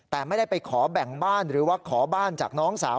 แต่ไม่ได้ไปขอแบ่งบ้านหรือว่าขอบ้านจากน้องสาว